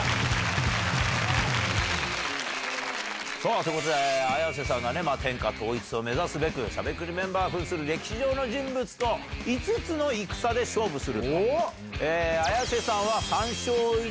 ということで綾瀬さんが天下統一を目指すべくしゃべくりメンバー扮する歴史上の人物と５つの戦で勝負する。